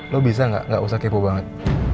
lo bisa gak gak usah kipu banget